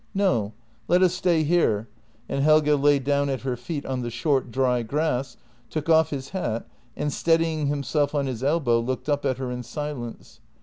"No; let us stay here," and Helge lay down at her feet on the short, dry grass, took off his hat, and, steadying himself on his elbow, looked up at her in silence.